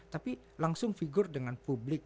tapi langsung figur dengan publik